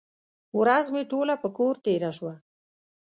ورځ مې ټوله په کور تېره شوه.